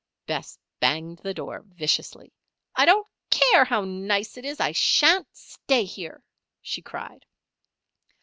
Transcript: Bess banged the door viciously. "I don't care how nice it is! I sha'n't stay here!" she cried.